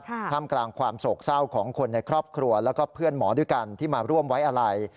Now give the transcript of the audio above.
ท่ามกลางความโศกเศร้าของคนในครอบครัวแล้วก็เพื่อนหมอด้วยกันที่มาร่วมไว้อะไร